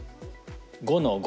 ５の五。